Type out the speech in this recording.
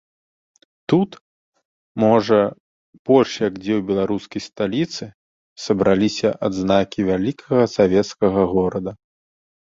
Тут, можа, больш як дзе ў беларускай сталіцы, сабраліся адзнакі вялікага савецкага горада.